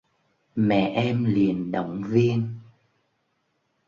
Mẹ em liền động viên